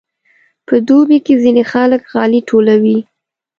په دوبي کې ځینې خلک غالۍ ټولوي.